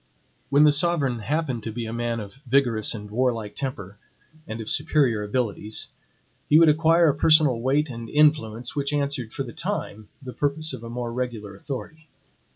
When the sovereign happened to be a man of vigorous and warlike temper and of superior abilities, he would acquire a personal weight and influence, which answered, for the time, the purpose of a more regular authority.